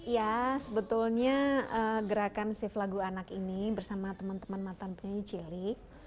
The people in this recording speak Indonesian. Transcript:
ya sebetulnya gerakan save lagu anak ini bersama teman teman matan penyanyi cili